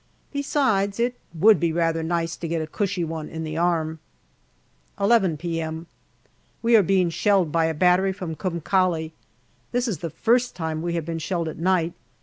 Besides, it would be rather nice to get a cushy one in the arm. II p.m. We are being shelled by a battery from Kum Kale. This is the first time we have been shelled at night.